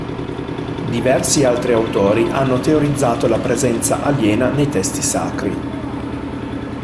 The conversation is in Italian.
Diversi altri autori hanno teorizzato la presenza aliena nei testi sacri.